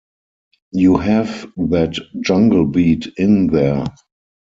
You have that jungle beat in there.